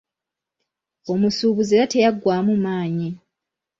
Omusuubuzi era teyaggwaamu maanyi.